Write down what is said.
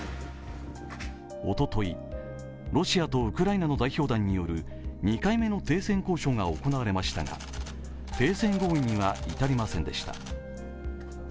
おととい、ロシアとウクライナの代表団による２回目の停戦交渉が行われましたが停戦合意には至りませんでした。